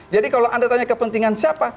jadi kalau anda tanya kepentingan siapa